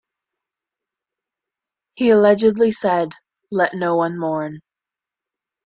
He allegedly said, Let no one mourn.